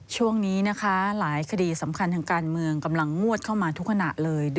ช่วงนี้นะคะหลายคดีสำคัญทางการเมืองกำลังงวดเข้ามาทุกขณะเลย